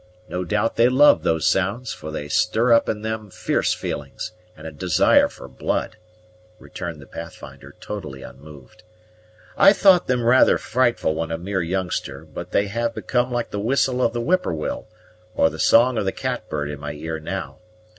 No doubt they love those sounds; for they stir up in them fierce feelings, and a desire for blood," returned the Pathfinder, totally unmoved. "I thought them rather frightful when a mere youngster; but they have become like the whistle of the whippoorwill or the song of the cat bird in my ear now.